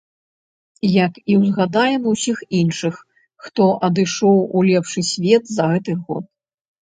Як і ўзгадаем усіх іншых, хто адышоў у лепшы свет за гэты год.